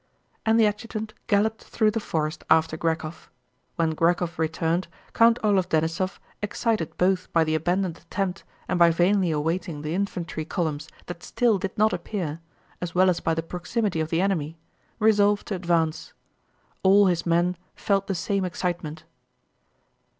And the adjutant galloped through the forest after Grékov. When Grékov returned, Count Orlóv Denísov, excited both by the abandoned attempt and by vainly awaiting the infantry columns that still did not appear, as well as by the proximity of the enemy, resolved to advance. All his men felt the same excitement.